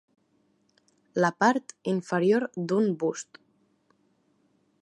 La part inferior d'un bust.